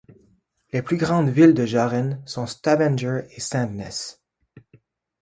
Les plus grandes villes de Jæren sont Stavanger et Sandnes.